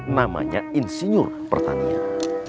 namanya insinyur pertanian